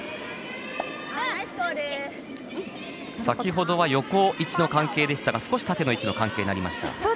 先ほどは横位置の関係でしたが少し縦の位置の関係になりました。